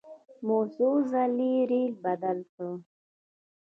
مو څو ځلې ریل بدل کړ.